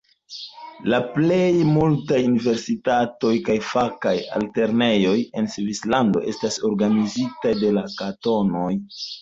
La plej multaj universitatoj kaj fakaj altlernejoj en Svislando estas organizitaj de la kantonoj.